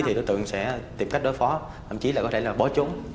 thì đối tượng sẽ tìm cách đối phó thậm chí là có thể là bỏ trốn